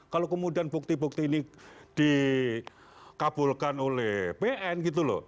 kalau kemudian bukti bukti ini dikabulkan oleh pn gitu loh